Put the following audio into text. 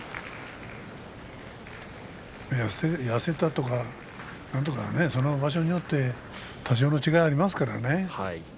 痩せたとかなんとかはねその場所によって多少の違いはありますからね。